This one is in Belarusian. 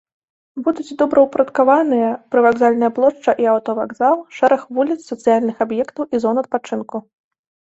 Будуць добраўпарадкаваныя прывакзальная плошча і аўтавакзал, шэраг вуліц, сацыяльных аб'ектаў і зон адпачынку.